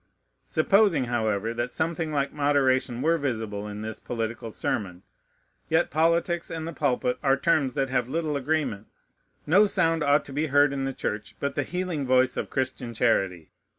Supposing, however, that something like moderation were visible in this political sermon, yet politics and the pulpit are terms that have little agreement. No sound ought to be heard in the church but the healing voice of Christian charity.